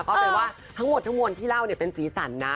แปลว่าทั้งหมดทั้งมวลที่เล่าเนี่ยเป็นสีสันนะ